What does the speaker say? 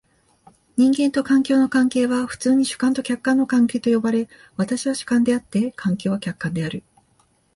人間と環境の関係は普通に主観と客観の関係と呼ばれ、私は主観であって、環境は客観である。